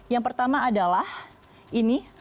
yang pertama adalah ini